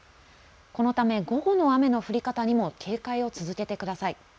このため午後の雨の降り方にも警戒を続けてください。